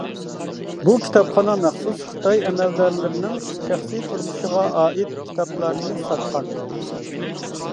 بۇ كىتابخانا مەخسۇس خىتاي ئەمەلدارلىرىنىڭ شەخسىي تۇرمۇشىغا ئائىت كىتابلارنى ساتقان.